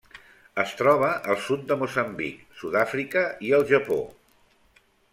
Es troba al sud de Moçambic, Sud-àfrica i el Japó.